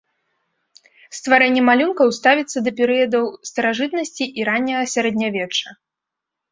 Стварэнне малюнкаў ставіцца да перыядаў старажытнасці і ранняга сярэднявечча.